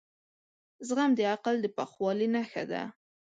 زغم د عقل د پخوالي نښه ده.